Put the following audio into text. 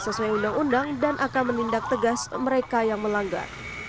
sesuai undang undang dan akan menindak tegas mereka yang melanggar